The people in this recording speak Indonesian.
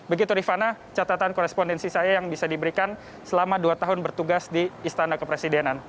begitu rifana catatan korespondensi saya yang bisa diberikan selama dua tahun bertugas di istana kepresidenan